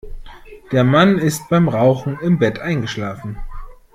Der Mann ist beim Rauchen im Bett eingeschlafen.